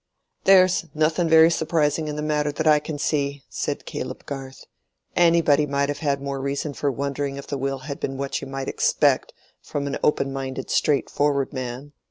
"There's nothing very surprising in the matter that I can see," said Caleb Garth. "Anybody might have had more reason for wondering if the will had been what you might expect from an open minded straightforward man.